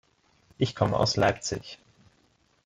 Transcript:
Ich komme aus Leipzig.